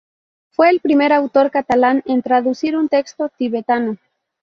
Fue el primer autor catalán en traducir un texto tibetano.